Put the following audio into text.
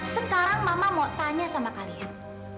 sekarang mama mau tanya sama kalian